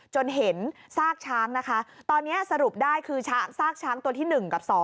จนเห็นซากช้างนะคะตอนนี้สรุปได้คือซากช้างตัวที่๑กับ๒